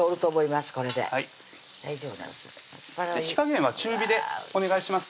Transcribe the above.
火加減は中火でお願いします